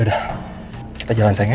yaudah kita jalan sayang ya